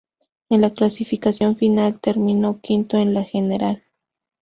En la clasificación final terminó quinto en la general.